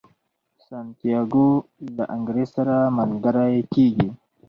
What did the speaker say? سانتیاګو له انګریز سره ملګری کیږي.